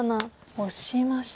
オシました。